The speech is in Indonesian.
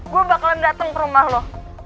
gue bakalan dateng ke rumah lu